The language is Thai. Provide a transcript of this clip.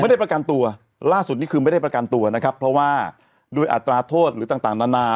ได้ประกันตัวล่าสุดนี่คือไม่ได้ประกันตัวนะครับเพราะว่าโดยอัตราโทษหรือต่างต่างนานา